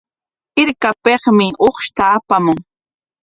Hirkapikmi uqshta apamun.